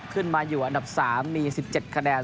ขึ้นมาอยู่อันดับ๓มี๑๗คะแนน